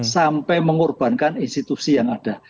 sampai mengorbankan institusi yang ada